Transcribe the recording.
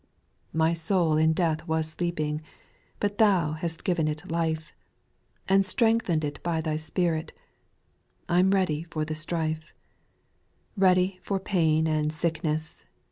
10. My soul in death was sleeping, But Thou hast given it life ; And strengthened by thy Spirit, I 'm ready for the strife : 11. Ready for pain and sickness.